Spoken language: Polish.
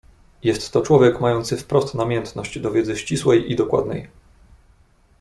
"Jest to człowiek, mający wprost namiętność do wiedzy ścisłej i dokładnej."